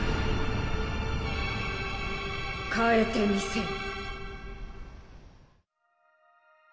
変えてみせる。